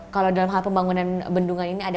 kalau dalam hal pembangunan bendungan ini ada